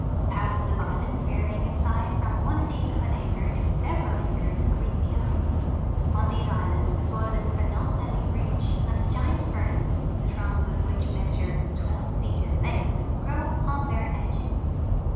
Thousands of islands, varying in size from one eighth of an acre to several acres, greet the eye. On these islands the soil is phenomenally rich, and giant ferns, the fronds of which measure 12 feet in length, grow upon their edges.